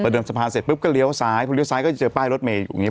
เดินสะพานเสร็จปุ๊บก็เลี้ยวซ้ายพอเลี้ยซ้ายก็จะเจอป้ายรถเมย์อยู่อย่างนี้